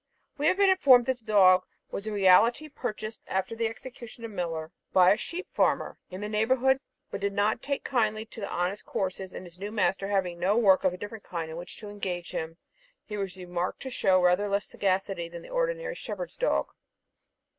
We have been informed that the dog was in reality purchased, after the execution of Millar, by a sheep farmer in the neighbourhood, but did not take kindly to honest courses, and his new master having no work of a different kind in which to engage him, he was remarked to show rather less sagacity than the ordinary shepherd's dog.